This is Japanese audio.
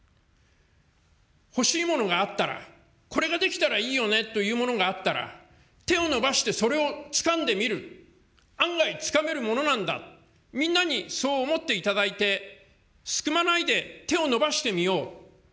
欲しいものがあったら、これができたらいいよねというものがあったら、手を伸ばしてそれをつかんでみる、案外つかめるものなんだ、みんなにそう思っていただいて、すくまないで手を伸ばしてみよう。